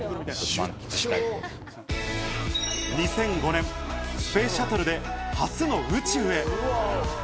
２００５年、スペースシャトルで初の宇宙へ。